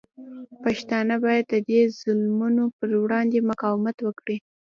پښتانه باید د دې ظلمونو پر وړاندې مقاومت وکړي.